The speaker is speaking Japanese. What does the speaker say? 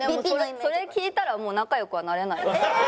それ聞いたらもう仲良くはなれない。